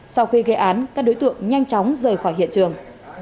sau khi gây án các đối tượng nhanh chóng rời khỏi hiện trường